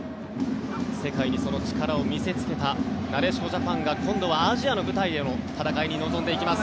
世界にその力を見せつけたなでしこジャパンが今度はアジアの舞台での戦いに臨んでいきます。